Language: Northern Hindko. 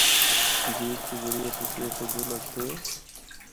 جیپ دے ذریعے تُسیں اُتھا جُل ہکدے او۔